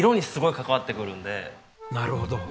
なるほど。